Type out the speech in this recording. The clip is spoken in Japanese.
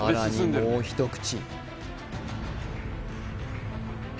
もう一口